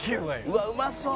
「うわっうまそう」